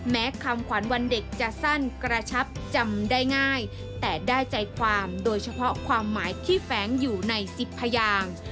แม้คำขวัญวันเด็กจะสั้นกระชับจำได้ง่ายแต่ได้ใจความโดยเฉพาะความหมายที่แฝงอยู่ใน๑๐พยาง